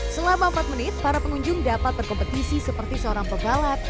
selama empat menit para pengunjung dapat berkompetisi seperti seorang pebalap